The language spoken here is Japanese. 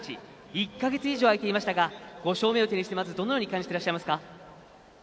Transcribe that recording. １か月以上、空いていましたが５勝目を手にしてまずどのように感じていますか？